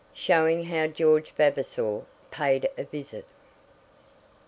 Showing How George Vavasor Paid a Visit.